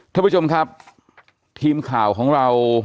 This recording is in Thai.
ท่านผู้ชมครับทีมข่าวของเรา